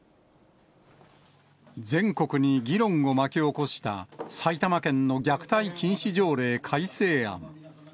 全国に議論を巻き起こした、埼玉県の虐待禁止条例改正案。